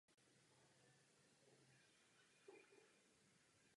Administrativním centrem byl Amsterdam.